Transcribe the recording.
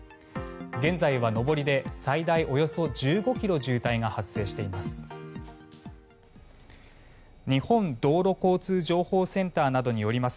現在は上りで最大およそ１５ｋｍ渋滞が発生しています。